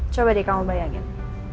coba deh kamu bayangin